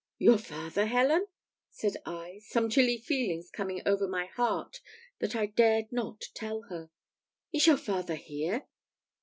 "Your father, Helen!" said I, some chilly feelings coming over my heart that I dared not tell her "is your father here?"